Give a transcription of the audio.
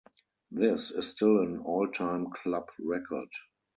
This is still an all-time club record.